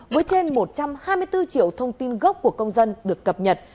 và hai mươi bốn triệu thông tin gốc của công dân được cập nhật